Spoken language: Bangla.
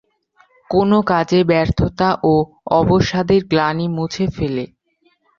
কোনো কাজে ব্যর্থতা ও অবসাদের গ্লানি মুছে ফেলে।